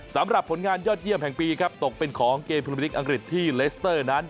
สำหรับผลงานยอดเยี่ยมแห่งปีครับตกเป็นของเกมภูมิลิกอังกฤษที่เลสเตอร์นั้น